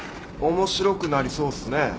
面白くなりそうっすね